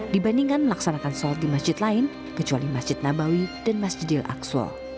dibandingkan melaksanakan sholat di masjid lain kecuali masjid nabawi dan masjidil aqsa